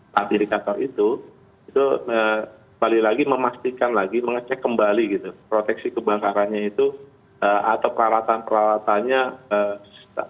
pak dirik jatuh itu itu sekali lagi memastikan lagi mengecek kembali gitu proteksi kebakarannya itu atau peralatan peralatannya masih bisa berfungsi lain